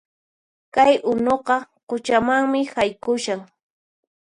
Kay unuqa quchamanmi haykushan